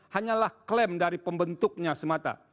hanyalah klaim dari pembentuknya semata